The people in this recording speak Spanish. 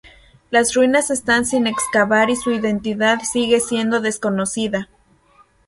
Las ruinas están sin excavar y su identidad sigue siendo desconocida.